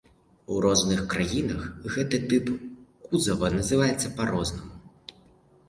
У розных краінах гэты тып кузава называецца па-рознаму.